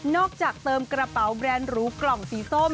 จากเติมกระเป๋าแบรนด์หรูกล่องสีส้ม